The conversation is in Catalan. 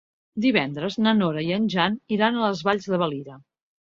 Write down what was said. Divendres na Nora i en Jan iran a les Valls de Valira.